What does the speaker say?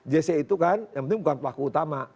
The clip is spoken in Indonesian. jc itu kan yang penting bukan pelaku utama